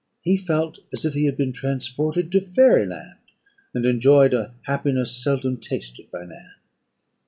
He felt as if he had been transported to Fairy land, and enjoyed a happiness seldom tasted by man.